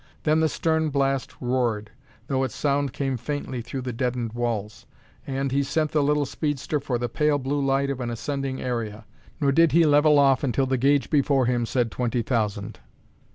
Then the stern blast roared, though its sound came faintly through the deadened walls, and he sent the little speedster for the pale blue light of an ascending area. Nor did he level off until the gauge before him said twenty thousand.